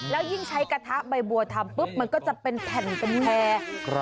แล้วยิ่งใช้กระทะใบบัวทำปุ๊บมันก็จะเป็นแผ่นเป็นแพร่